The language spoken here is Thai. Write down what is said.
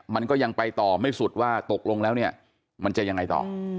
มันก็ยังไปต่อไม่สุดว่าตกลงแล้วเนี่ยมันจะยังไงต่อ